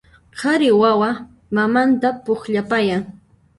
Qhari wawa mamanta pukllapayan